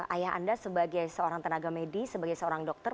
ayah anda sebagai seorang tenaga medis sebagai seorang dokter